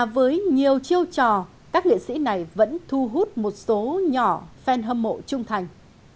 với nhiều chiêu trò các nghệ sĩ này vẫn thu hút một số nhỏ phen hâm mộ trung thành